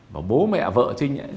và bố mẹ vợ trinh ấy